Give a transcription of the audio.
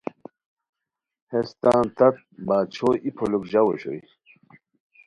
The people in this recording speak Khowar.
ہیس تان تات (باچھو) ای پھولوک ژاؤ اوشوئے